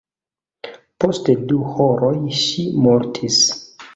Post du horoj ŝi mortis.